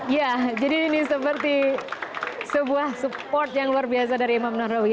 ya jadi ini seperti sebuah support yang luar biasa dari imam nahrawi